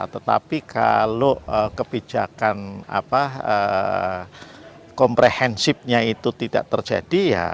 tetapi kalau kebijakan komprehensifnya itu tidak terjadi ya